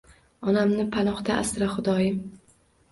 Onamni panohda asra xudoyim